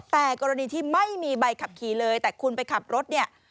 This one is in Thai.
แต่กรณีที่ไม่มีใบขับขี่เลยแต่คุณไปขับรถเนี่ย